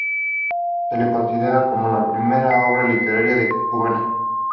Se la considera como la primera obra literaria cubana.